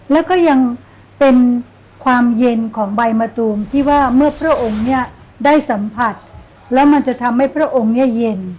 แล้วก็ยังเป็นความเย็นของใบมะตูมที่ว่าเมื่อพระองค์เนี่ยได้สัมผัสแล้วมันจะทำให้พระองค์เนี่ยเย็น